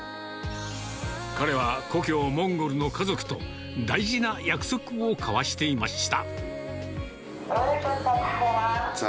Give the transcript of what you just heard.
彼は故郷、モンゴルの家族と、大事な約束を交わしていました。